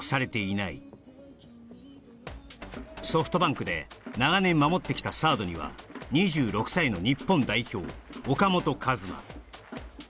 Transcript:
だがソフトバンクで長年守ってきたサードには２６歳の日本代表